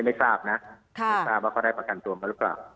ไม่ทราบว่าเขาได้ประกันตัวหรือเปล่า